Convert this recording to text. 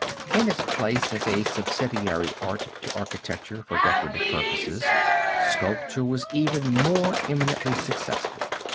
In its place as a subsidiary art to architecture for decorative purposes, sculpture was even more eminently successful.